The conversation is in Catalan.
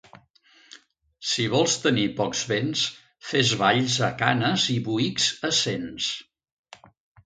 Si vols tenir pocs béns, fes valls a canes i boïcs a cents.